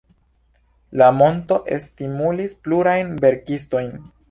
La monto stimulis plurajn verkistojn.